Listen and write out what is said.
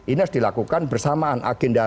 ini harus dilakukan bersamaan agenda